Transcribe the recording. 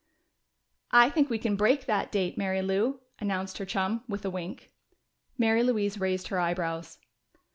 "I think we can break that date, Mary Lou," announced her chum, with a wink. Mary Louise raised her eyebrows.